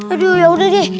aduh yaudah deh